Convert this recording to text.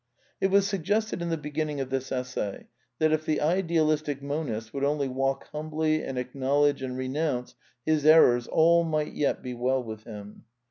It was Btiggested in the beginning of this essay that if the idealistic monist would only walk humbly and acknowl edge and renounce his errors all might yet be well with him.